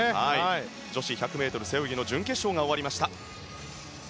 女子１００ｍ背泳ぎの準決勝が終わりました。